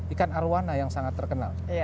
ikan arowana yang sangat terkenal